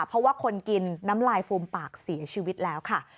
เพราะว่าคนกินน้ำลายฟูมปากเสียชีวิตแล้วค่ะ